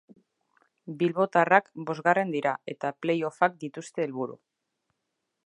Bilbotarrak bosgarren dira eta play-offak dituzte helburu.